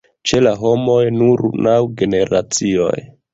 Ĉe la homoj nur naŭ generacioj.